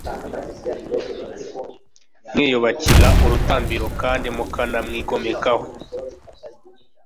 mwiyubakira urutambiro kandi mukanamwigomekaho